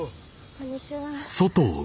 こんにちは。